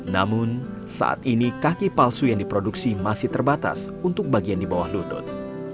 namun saat ini kaki palsu yang diproduksi masih terbatas untuk bagian di bawah lutut